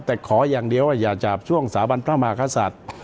แต่ขอยังเดียวอย่าจับช่วงสาบันพระมาขสัตว์